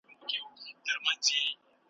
زما دي په زړه کي لمبه وه بله ,